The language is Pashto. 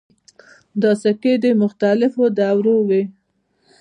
دا سکې د مختلفو دورو وې